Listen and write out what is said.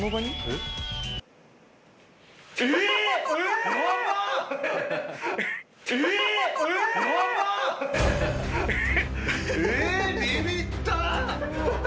えビビった。